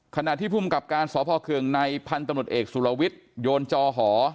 ขณะที่ภูมิกับการสพเคืองในพันธุ์ตำรวจเอกสุรวิทย์โยนจอหอ